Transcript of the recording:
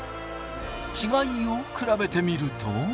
違いを比べてみると。